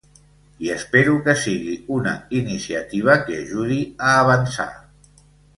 I espero que sigui una iniciativa que ajudi a avançar.